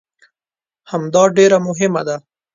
همدا ډېره مهمه ده.